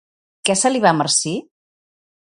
Què se li va marcir?